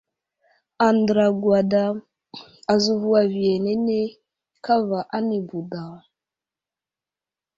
Andra gwadam azevo aviyenene kava anibo daw.